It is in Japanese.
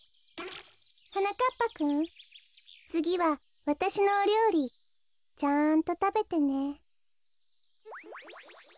はなかっぱくんつぎはわたしのおりょうりちゃんとたべてね。